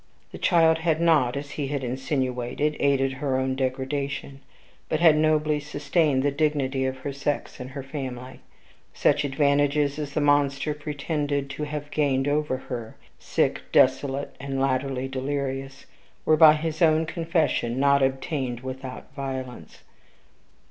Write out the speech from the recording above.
The child had not, as had been insinuated, aided her own degradation, but had nobly sustained the dignity of her sex and her family. Such advantages as the monster pretended to have gained over her sick, desolate, and latterly delirious were, by his own confession, not obtained without violence.